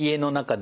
で